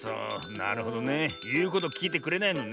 なるほどね。いうこときいてくれないのね。